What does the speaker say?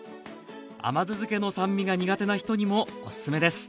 甘酢漬けの酸味が苦手な人にもおすすめです